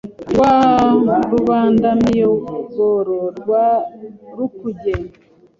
Rwa Rubandamiyogoro rwa Rukuge